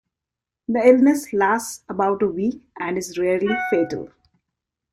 The illness lasts about a week and is rarely fatal.